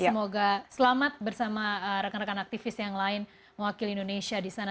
semoga selamat bersama rekan rekan aktivis yang lain mewakili indonesia di sana